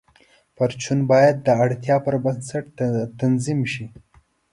پرچون باید د اړتیا پر بنسټ تنظیم شي.